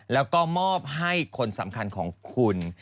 แล้วก็มอบให้คนสำคัญของคุณ